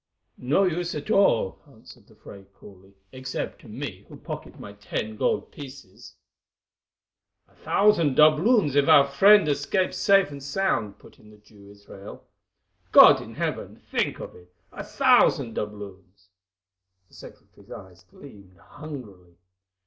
"No use at all," answered the Fray coolly, "except to me who pocket my ten gold pieces." "A thousand doubloons if our friend escapes safe and sound," put in the old Jew Israel. "God in Heaven! think of it, a thousand doubloons." The secretary's eyes gleamed hungrily.